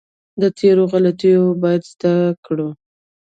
له تېرو غلطیو باید زده کړو.